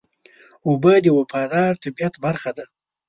اوبه د وفادار طبیعت برخه ده.